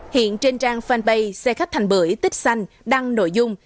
hiện trên trang fanpage xe khách thành bưởi tích xanh đăng nội dung